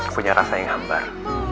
punya rasa yang hambar